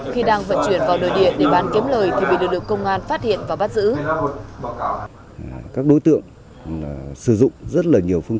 khi đang vận chuyển vào nơi địa để bán kiếm lời thì bị lực lượng công an phát hiện và bắt giữ